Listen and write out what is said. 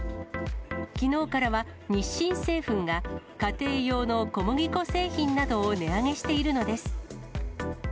きのうからは日清製粉が、家庭用の小麦粉製品などを値上げしているのです。